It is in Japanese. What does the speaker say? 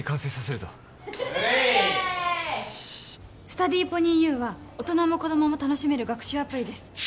スタディーポニーＵは大人も子供も楽しめる学習アプリです